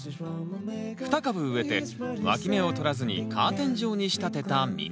２株植えてわき芽を取らずにカーテン状に仕立てたミニトマト。